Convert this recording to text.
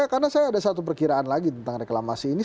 karena saya ada satu perkiraan lagi tentang reklamasi ini